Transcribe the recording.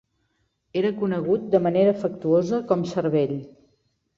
Era conegut de manera afectuosa com "Cervell".